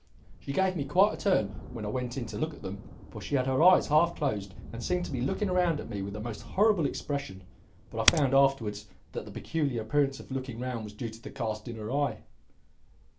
She gave me quite a turn when I went in to look at them, for she had her eyes half closed and seemed to be looking round at me with a most horrible expression; but I found afterwards that the peculiar appearance of looking round was due to the cast in her eye."